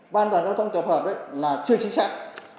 ban đoàn giao thông tập hợp là chưa chính xác